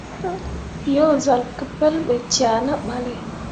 Yo zal ke pelɓe cea ne ɓalle.